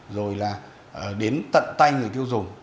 rồi là đến tận tay người tiêu dùng